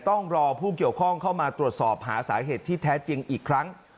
ต้องรอผู้เกี่ยวข้องเข้ามาตรวจสอบหาสาเหตุที่แท้จริงอีกครั้ง